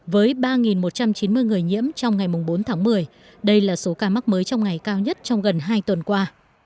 với ba một trăm chín mươi người nhiễm trong ngày bốn tháng một mươi đây là số ca mắc mới trong ngày cao nhất trong gần hai tuần qua